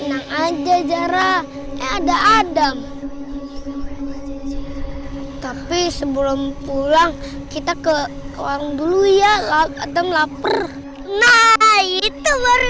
aja zara ada adam tapi sebelum pulang kita ke warung dulu ya lalu adam lapar nah itu baru